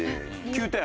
９点？